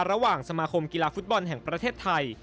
สมาคมกีฬาฟุตบอลแห่งประเทศไทย